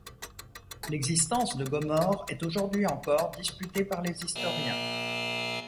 L'existence de Gomorrhe est aujourd'hui encore disputée par les historiens.